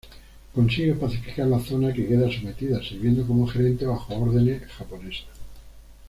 Consigue pacificar la zona que queda sometida, sirviendo como gerente bajo órdenes japonesas.